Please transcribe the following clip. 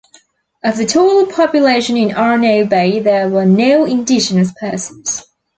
Of the total population in Arno Bay there were no Indigenous persons.